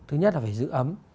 thứ nhất là phải giữ ấm